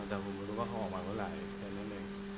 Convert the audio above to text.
แต่ผมยู้ว่าเขาออกมาเว้อไหร่ไปไม่